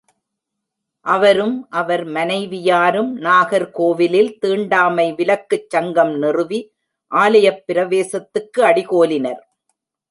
அவரும் அவர் மனைவியாரும் நாகர் கோவிலில் தீண்டாமை விலக்குச் சங்கம் நிறுவி ஆலயப் பிரவேசத்துக்கு அடிகோலினர்.